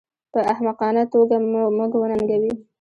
په احمقانه توګه موږ وننګوي